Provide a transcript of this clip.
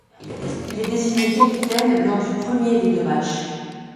Il est désigné capitaine lors du premier des deux matchs.